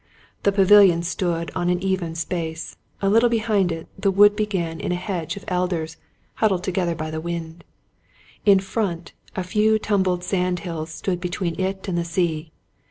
The pavilion stood on an even space : a little behind it, the wood began in a hedge of elders huddled together by the wind; in front, a few tumbled sand hills stood between it and the sea.